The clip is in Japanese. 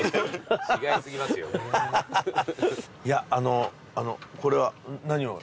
いやあのうこれは何を？